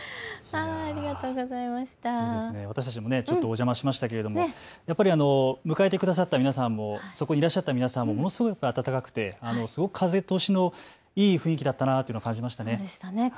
私たちもお邪魔しましたけど迎えてくださった皆さんもそこにいらっしゃった皆さんもものすごく温かくて風通しのいい雰囲気だったなと感じましたね。